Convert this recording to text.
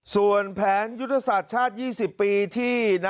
ส่วนแผนยุทธศาสตร์ชาติ๒๐ปีที่